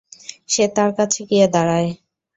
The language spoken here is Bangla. সে তার কাছে গিয়ে দাঁড়ায়।